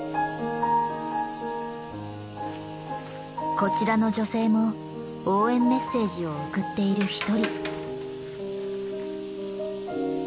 こちらの女性も応援メッセージを送っている一人。